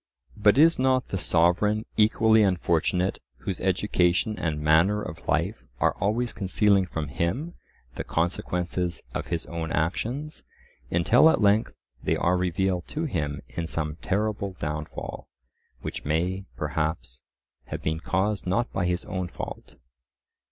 But is not the sovereign equally unfortunate whose education and manner of life are always concealing from him the consequences of his own actions, until at length they are revealed to him in some terrible downfall, which may, perhaps, have been caused not by his own fault?